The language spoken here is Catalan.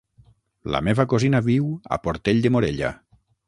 La meva cosina viu a Portell de Morella.